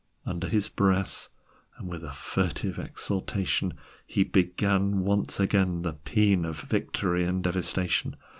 Under his breath, with a furtive exultation, he began once again the paean of victory and devastation.